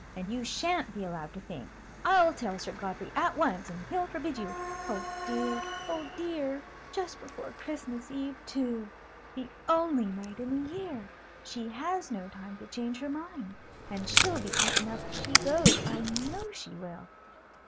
"And you sha'n't be allowed to think. I'll tell Sir Godfrey at once, and he'll forbid you. Oh, dear! oh, dear! just before Christmas Eve, too! The only night in the year! She has no time to change her mind; and she'll be eaten up if she goes, I know she will.